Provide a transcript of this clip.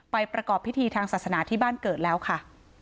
ประกอบพิธีทางศาสนาที่บ้านเกิดแล้วค่ะ